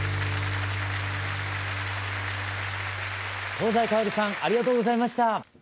香西かおりさんありがとうございました。